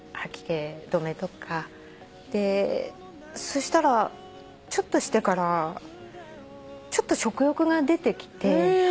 そしたらちょっとしてからちょっと食欲が出てきて。